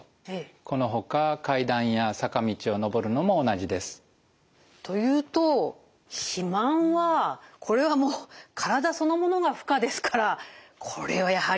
このほか階段や坂道を上るのも同じです。というと肥満はこれはもう体そのものが負荷ですからこれはやはり駄目でしょう。